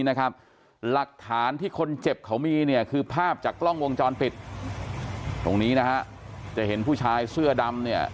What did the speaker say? หลักฐานที่คนเจ็บเขามีเนี่ยคือภาพจากกล้องวงจรปิดตรงนี้นะฮะจะเห็นผู้ชายเสื้อดำเนี่ย